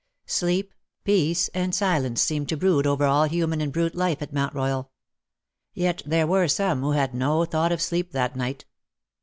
Sleep, peace, and silence seemed to brood over all human and brute life at Mount Royal. Yet there were some who had no thought of sleep that night.